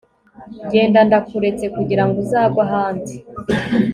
genda ndakuretse kugirango uzagwe ahandi